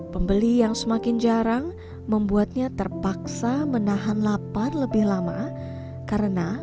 pembeli yang semakin jarang membuatnya terpaksa menahan lapar lebih lama karena